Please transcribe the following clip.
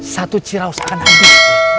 satu ciraus akan habis